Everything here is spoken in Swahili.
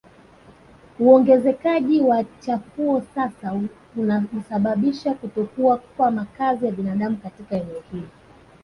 Uongezekaji wa chafuo sasa ulisababisha kutokuwa kwa makazi ya binadamu katika eneo hili